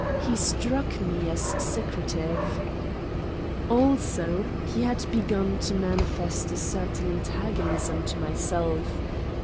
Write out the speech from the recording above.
He struck me as secretive. Also, he had begun to manifest a certain antagonism to myself.